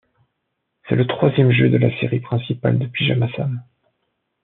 C'est le troisième jeu de la série principale de Pyjama Sam.